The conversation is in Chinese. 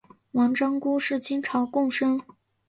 王章枯是清朝贡生。